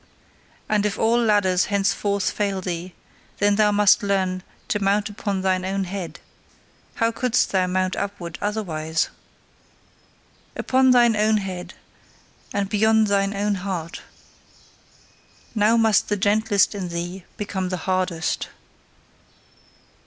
And if all ladders henceforth fail thee, then must thou learn to mount upon thine own head: how couldst thou mount upward otherwise? Upon thine own head, and beyond thine own heart! Now must the gentlest in thee become the hardest.